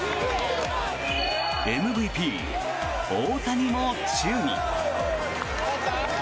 ＭＶＰ、大谷も宙に。